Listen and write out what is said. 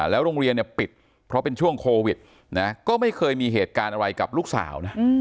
แล้วโรงเรียนเนี่ยปิดเพราะเป็นช่วงโควิดนะก็ไม่เคยมีเหตุการณ์อะไรกับลูกสาวนะ